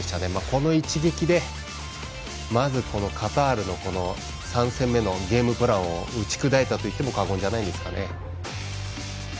この一撃でまず、カタールの３戦目のゲームプランを打ち砕いたと言っても過言じゃないですかね。